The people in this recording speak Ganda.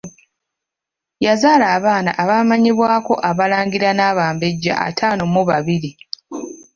Yazaala abaana abaamanyibwako Abalangira n'Abambejja ataano mu babiri.